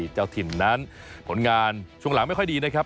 เจ้าถิ่นนั้นผลงานช่วงหลังไม่ค่อยดีนะครับ